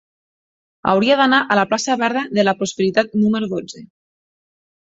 Hauria d'anar a la plaça Verda de la Prosperitat número dotze.